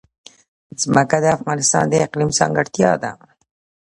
ځمکه د افغانستان د اقلیم ځانګړتیا ده.